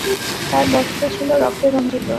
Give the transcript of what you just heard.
তার বস্ত্র ছিল রক্তে রঞ্জিত।